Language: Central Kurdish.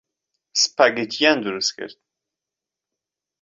سپاگێتییان دروست کرد.